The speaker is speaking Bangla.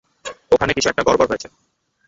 ওখানে কিছু একটা গড়বড় হয়েছে।